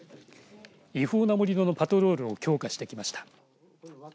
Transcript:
違法な盛り土のパトロールを強化してきました。